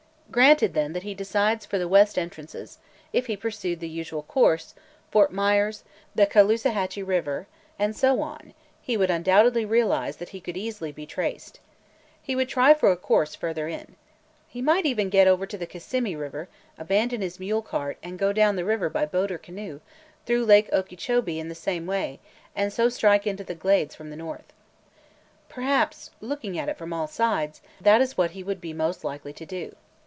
Granted, then, that he decides for the west entrances; if he pursued the usual course, Fort Myers, the Caloosahatchee River, and so on, he would undoubtedly realize that he could easily be traced. He would try for a course further in. He might even get over to the Kissimmee River, abandon his mule cart, and go down the river by boat or canoe, through Lake Okeechobee in the same way, and so strike into the Glades from the north. Perhaps, looking at it from all sides, that is what he would be most likely to do.